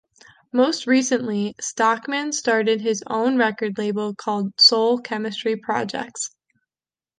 Most recently, Stockman started his own record label called Soul Chemistry Projects.